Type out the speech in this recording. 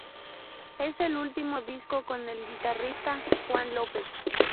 Es el último disco con el guitarrista Juan López.